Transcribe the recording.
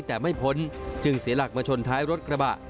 แต่ไม่พ้นจึงเสียหลักมาชนท้ายรถกระบะ